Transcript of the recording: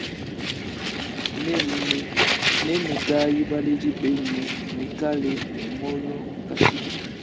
Nemekayi baledi benu nuikale ne moyo kashidi.